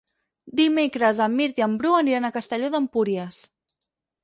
Dimecres en Mirt i en Bru aniran a Castelló d'Empúries.